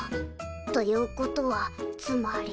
ということはつまり。